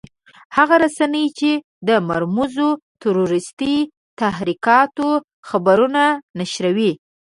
هغه رسنۍ چې د مرموزو تروريستي تحرکاتو خبرونه نشروي.